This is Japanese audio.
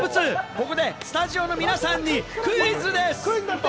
ここでスタジオの皆さんにクイズです。